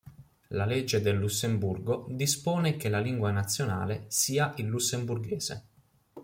La legge del Lussemburgo dispone che la lingua nazionale sia il lussemburghese.